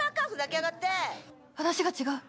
話が違う